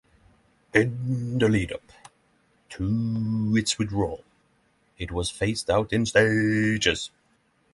In the lead-up to its withdrawal, it was phased out in stages.